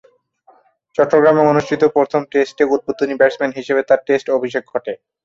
চট্টগ্রামে অনুষ্ঠিত প্রথম টেস্টে উদ্বোধনী ব্যাটসম্যান হিসেবে তার টেস্ট অভিষেক ঘটে।